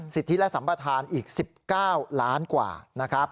สิทธิและสัมประธานอีก๑๙ล้านกว่านะครับ